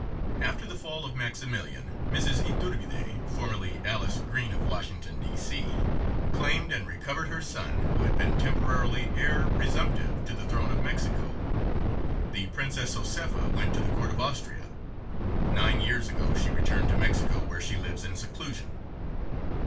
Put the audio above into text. After the fall of Maximilian, Mrs. Yturbide (formerly Alice Green, of Washington, D. C.) claimed and recovered her son, who had been temporarily "heir presumptive" to the throne of Mexico. The Princess Josefa went to the court of Austria. Nine years ago she returned to Mexico, where she lives in seclusion.